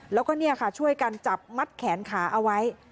แล้วก็ช่วยกันจับมัดแขนขาเอาไว้